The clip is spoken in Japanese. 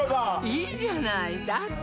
いいじゃないだって